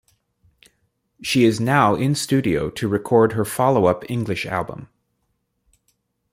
She is now in studio to record her follow-up English album.